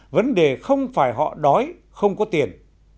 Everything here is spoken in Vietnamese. vấn đề không phải họ đói không có tiền